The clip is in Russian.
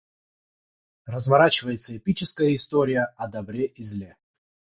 разворачивается эпическая история о добре и зле